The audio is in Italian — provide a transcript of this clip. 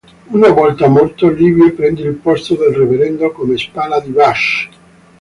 Una volta morto, Livio prende il posto del reverendo come spalla di Vash.